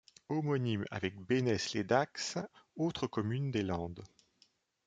Homonymie avec Bénesse-lès-Dax, autre commune des Landes.